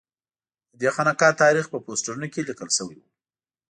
ددې خانقا تاریخ په پوسټرونو کې لیکل شوی و.